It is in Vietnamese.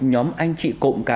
nhóm anh chị cộng cá